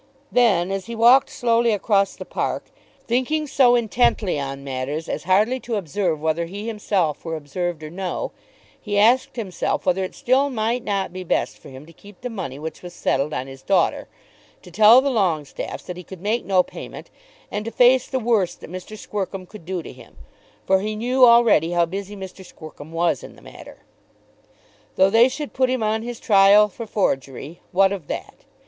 Then, as he walked slowly across the park, thinking so intently on matters as hardly to observe whether he himself were observed or no, he asked himself whether it still might not be best for him to keep the money which was settled on his daughter, to tell the Longestaffes that he could make no payment, and to face the worst that Mr. Squercum could do to him, for he knew already how busy Mr. Squercum was in the matter. Though they should put him on his trial for forgery, what of that?